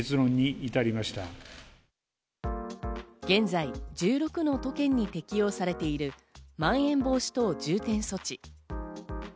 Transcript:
現在、１６の都県に適用されている、まん延防止等重点措置。